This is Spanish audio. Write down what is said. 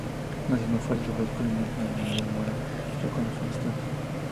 Haciendo fuerza sobre las columnas, añadió: "Muera yo con los filisteos".